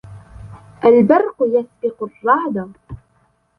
البرقُ يسبقُ الرعدَ